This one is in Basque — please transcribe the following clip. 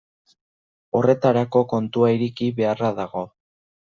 Horretarako kontua ireki beharra dago.